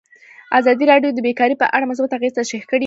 ازادي راډیو د بیکاري په اړه مثبت اغېزې تشریح کړي.